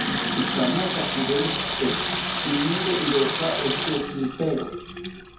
Ikamaetaki rentzite, iniro iraka oshekipero